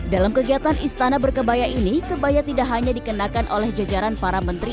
dalam kegiatan istana berkebaya ini kebaya tidak hanya dikenakan oleh jajaran para menteri